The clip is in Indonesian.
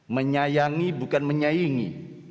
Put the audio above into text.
menyayangi bukan menyaingi